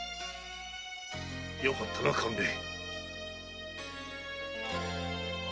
よかったな勘兵衛。